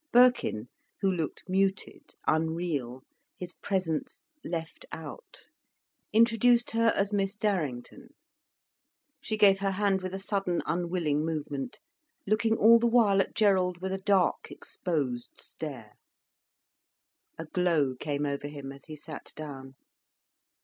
Birkin, who looked muted, unreal, his presence left out, introduced her as Miss Darrington. She gave her hand with a sudden, unwilling movement, looking all the while at Gerald with a dark, exposed stare. A glow came over him as he sat down.